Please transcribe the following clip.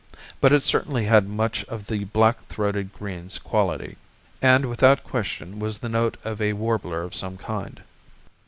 But it certainly had much of the black throated green's quality, and without question was the note of a warbler of some kind.